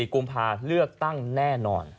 กุมภาเลือกตั้งแน่นอน